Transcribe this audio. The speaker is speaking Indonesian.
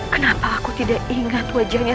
kenapa aku tidak ingat wajahnya